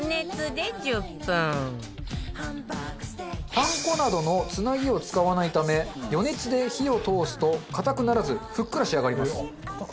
パン粉などのつなぎを使わないため余熱で火を通すと硬くならずふっくら仕上がります。